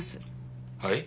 はい？